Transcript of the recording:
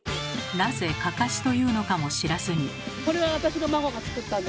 なぜ「かかし」というのかも知らずに。